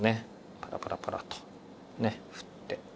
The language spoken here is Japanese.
パラパラパラとふって。